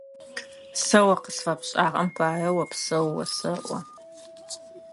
Сэ о къысфэпшӏагъэм пае опсэу осэӏо.